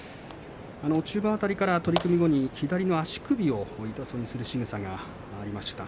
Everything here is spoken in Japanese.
中盤辺りから左の足首を痛そうにするしぐさがありました。